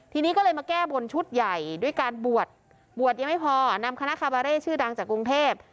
ทีนี้ก็เลยมาแก้บนชุดใหญ่ด้วยการบวชบวชยังไม่พอนำคณะคาบาเร่ชื่อดังจากกรุงเทพ